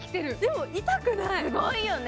すごいよね。